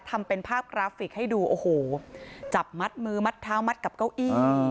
ทำเป็นภาพกราฟิกให้ดูโอ้โหจับมัดมือมัดเท้ามัดกับเก้าอี้